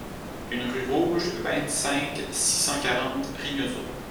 un rue Rouge, vingt-cinq, six cent quarante, Rignosot